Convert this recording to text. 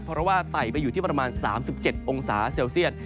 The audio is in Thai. เพราะว่าไต่ไปอยู่ที่ประมาณ๓๗องศาเซลเซียต